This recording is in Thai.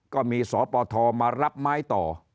ก็มีสปทมารับไม้ต่อ